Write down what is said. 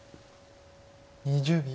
２０秒。